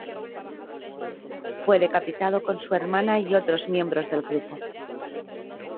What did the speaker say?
Fue decapitado con su hermana y otros miembros del grupo.